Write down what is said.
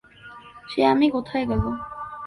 সে আমি কোথায় গেল?